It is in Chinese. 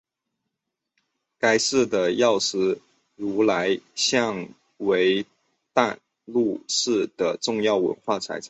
该寺的药师如来像为淡路市的重要文化财产。